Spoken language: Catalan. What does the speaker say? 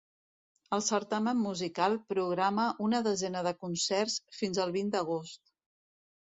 El certamen musical programa una desena de concerts fins al vint d’agost.